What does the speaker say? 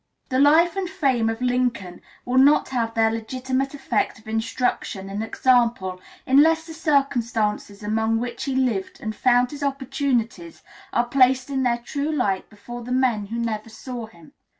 The life and fame of Lincoln will not have their legitimate effect of instruction and example unless the circumstances among which he lived and found his opportunities are placed in their true light before the men who never saw him.